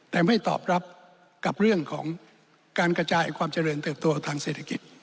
แต่ไม่ตอบรับกับเรื่องของการกระจายความเจริญเติบโตทางเศรษฐกิจ